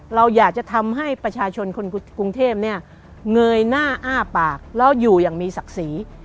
เราอยากจะทำให้ประชาชนคนกรุงเทพเนี่ยเงยหน้าอ้าปากแล้วอยู่อย่างมีศักดิ์ศรี